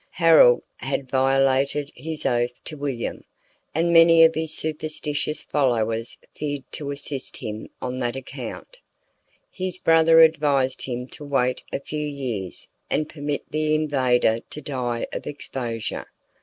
Harold had violated his oath to William, and many of his superstitious followers feared to assist him on that account. His brother advised him to wait a few years and permit the invader to die of exposure.